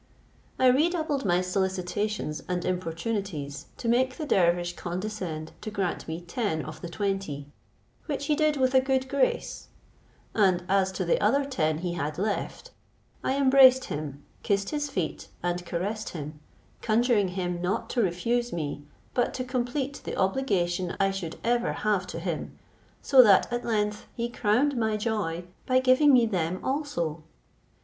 I redoubled my solicitations and importunities, to make the dervish condescend to grant me ten of the twenty, which he did with a good grace: and as to the other ten he had left, I embraced him, kissed his feet, and caressed him, conjuring him not to refuse me, but to complete the obligation I should ever have to him, so that at length he crowned my joy, by giving me them also.